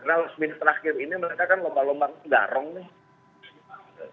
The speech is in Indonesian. karena sepuluh menit terakhir ini mereka kan lomba lomba ngegarong nih